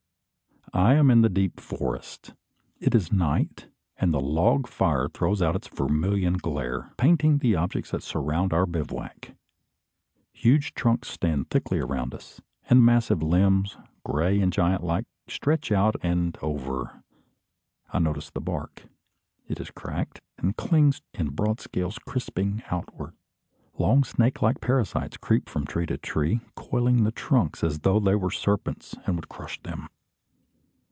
I am in the deep forest. It is night, and the log fire throws out its vermilion glare, painting the objects that surround our bivouac. Huge trunks stand thickly around us; and massive limbs, grey and giant like, stretch out and over. I notice the bark. It is cracked, and clings in broad scales crisping outward. Long snake like parasites creep from tree to tree, coiling the trunks as though they were serpents, and would crush them!